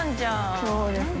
そうですね。